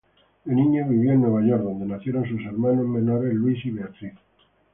De niño, vivió en Nueva York, donde nacieron sus hermanos menores Luis y Beatriz.